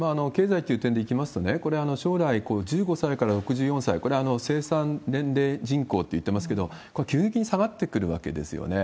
経済っていう点でいきますと、これ、将来、１５歳から６４歳、これは生産年齢人口といっていますけれども、急激に下がってくるわけですよね。